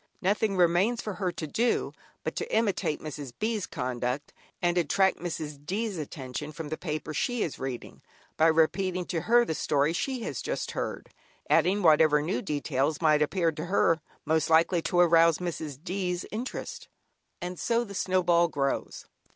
Nothing remains for her to do but to imitate Mrs. B's conduct, and attract Mrs. D's attention from the paper she is reading, by repeating to her the story she has just heard, adding whatever new details may appear to her as most likely to arouse Mrs. D's. interest. And so the snowball grows.